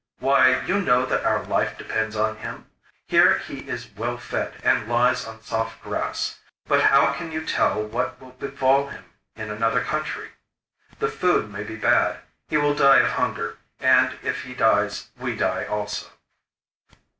Why, you know that our life depends on him. Here he is well fed and lies on soft grass; but how can you tell what will befall him in another country? The food may be bad, he will die of hunger; and, if he dies we die also.